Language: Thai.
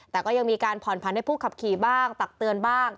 แต่ก็ยังมีการผ่อนผันให้ผู้ขับขี่บ้างตักเตือนบ้าง